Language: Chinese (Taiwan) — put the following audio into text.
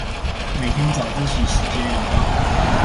每天早自習時間一到